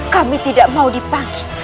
kami tidak mau dipanggil